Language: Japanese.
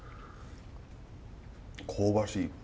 香ばしい！